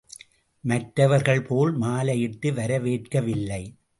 மற்றவர்கள் போல் மாலையிட்டு வரவேற்கவில்லை.